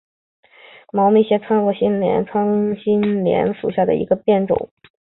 腺毛疏花穿心莲为爵床科穿心莲属下的一个变种。